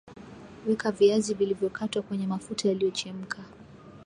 Weka viazi vilivyokatwa kwenye mafuta yaliyochemka